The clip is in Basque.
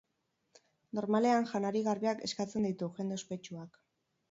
Normalean janari garbiak eskatzen ditu jende ospetsuak.